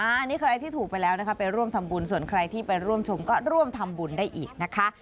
อันนี้ใครที่ถูกไปแล้วนะคะไปร่วมทำบุญส่วนใครที่ไปร่วมชมก็ร่วมทำบุญได้อีกนะคะ